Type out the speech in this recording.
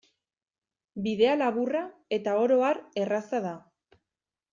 Bidea laburra eta oro har erraza da.